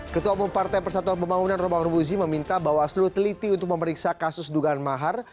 ketua bumparte persatuan pembangunan romang rufuzi meminta bahwa seluruh teliti untuk memeriksa kasus dugaan mahar